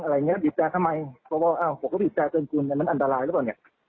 อะไรอย่างเงี้ยบีบแสทำไมเพราะว่าอ้าวผมก็บีบแสเตินกลมันอันดรายแล้วหรอเนี่ย